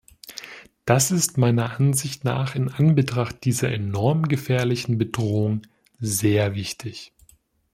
Das ist meiner Ansicht nach in Anbetracht dieser enorm gefährlichen Bedrohung sehr wichtig.